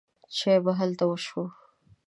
چای به هلته وڅښو.